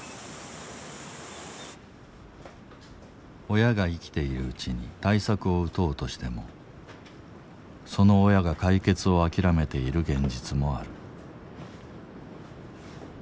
親が生きているうちに対策を打とうとしてもその親が解決を諦めている現実もある。